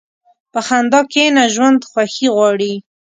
په خندا کښېنه، ژوند خوښي غواړي.